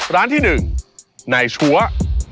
ร้านที่หนึ่งนายชัวร์